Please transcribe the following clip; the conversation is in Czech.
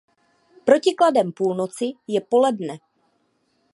Protikladem půlnoci je poledne.